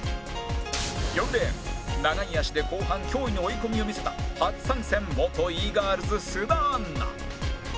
４レーン長い足で後半脅威の追い込みを見せた初参戦元 Ｅ−ｇｉｒｌｓ 須田アンナ